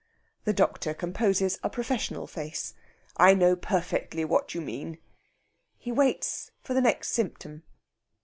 The doctor composes a professional face. "I know perfectly what you mean." He waits for the next symptom.